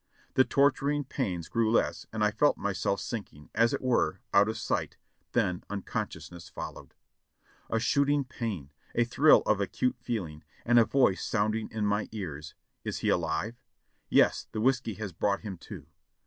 The torturing pains grew less and I felt myself sinking, as it were, out of sight, then unconsciousness followed. A shooting pain, a thrill of acute feeling, and a voice sounding in my ears : THE BATTLE CONTINUED 549 "Is he alive?" "Yes, the whiskey has brought him to."